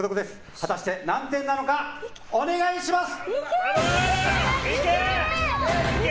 果たして何点なのかお願いします。